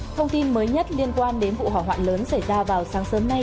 thông tin mới nhất liên quan đến vụ hỏa hoạn lớn xảy ra vào sáng sớm nay